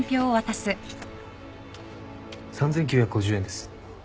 ３，９５０円です。